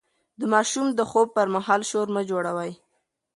د ماشوم د خوب پر مهال شور مه جوړوئ.